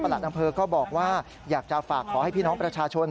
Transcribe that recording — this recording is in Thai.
อำเภอก็บอกว่าอยากจะฝากขอให้พี่น้องประชาชน